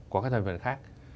của các thành viên khác